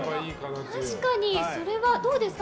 確かに、それはどうですか。